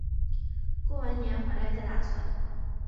过完年回来再打算